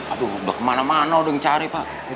aduh udah kemana mana udah yang cari pak